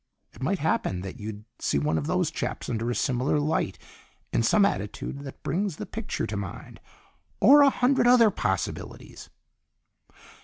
It might happen that you'd see one of these chaps under a similar light in some attitude that brings the picture to mind or a hundred other possibilities."